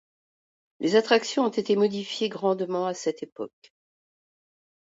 Les attractions ont été modifiées grandement à cette époque.